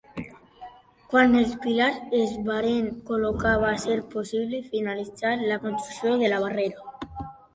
Quan els pilars es varen col·locar va ser possible finalitzar la construcció de la barrera.